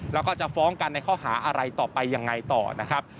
แล้วก็จะฟ้องกันในข้อหาอะไรต่อไปยังไงต่อนะครับ